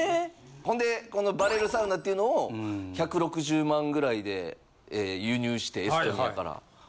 ほんでこのバレルサウナっていうのを１６０万ぐらいで輸入してエストニアから。